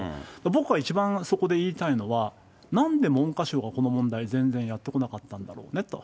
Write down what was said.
僕は一番そこで言いたいのは、なんで文科省がこの問題を全然やってこなかったんだろうねと。